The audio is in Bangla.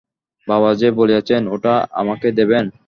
বাবা যে বলিয়াছেন, ওটা আমাকে দেবেন।